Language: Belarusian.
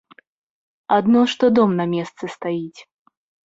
Адно што дом на месцы стаіць.